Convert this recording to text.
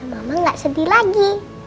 mama gak sedih lagi